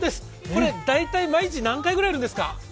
これ、大体毎日何回ぐらいやるんですか？